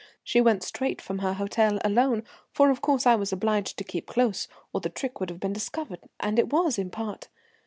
She went straight from her hotel, alone, for of course I was obliged to keep close, or the trick would have been discovered, and it was in part.